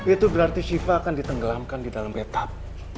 itu berarti siva akan ditenggelamkan di dalam petak